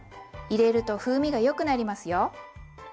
入れると風味がよくなりますよ。